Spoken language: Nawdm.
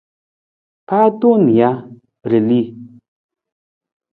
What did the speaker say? Paa tong nija, ra li.